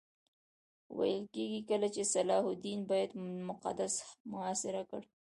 ویل کېږي کله چې صلاح الدین بیت المقدس محاصره کړ.